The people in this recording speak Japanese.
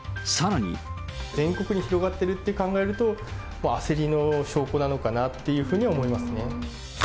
全国に広がっていると考えると、焦りの証拠なのかなっていうふうに思いますね。